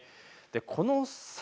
この先